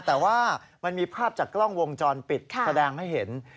แต่ว่ามันมีภาพจากกล้องวงจรปิดแสดงให้เห็น